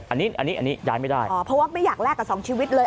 อันนี้อันนี้ย้ายไม่ได้อ๋อเพราะว่าไม่อยากแลกกับสองชีวิตเลย